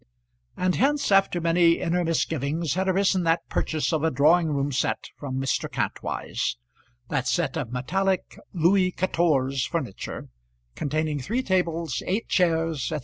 And hence, after many inner misgivings, had arisen that purchase of a drawing room set from Mr. Kantwise, that set of metallic "Louey Catorse furniture," containing three tables, eight chairs, &c.